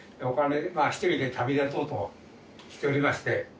１人で旅立とうとしておりまして。